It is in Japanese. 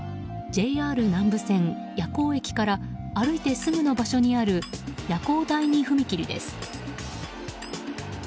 ＪＲ南武線矢向駅から歩いてすぐの場所にある矢向第二踏切です。